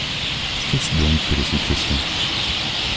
Qu’est-ce donc que les successions?